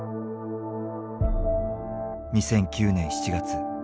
２００９年７月。